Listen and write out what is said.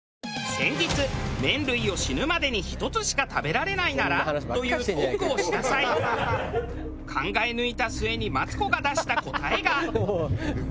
先日麺類を死ぬまでに１つしか食べられないなら？というトークをした際考え抜いた末にマツコが出した答えが。